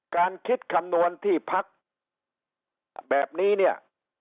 การคิดคำนวณที่พักแบบนี้เนี่ย